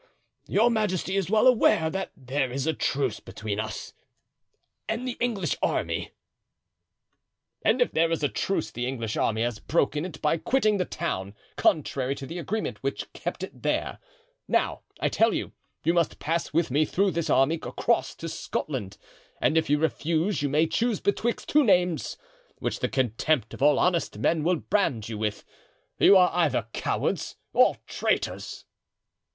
"Your majesty is well aware that there is a truce between us and the English army." "And if there is a truce the English army has broken it by quitting the town, contrary to the agreement which kept it there. Now, I tell you, you must pass with me through this army across to Scotland, and if you refuse you may choose betwixt two names, which the contempt of all honest men will brand you with—you are either cowards or traitors!"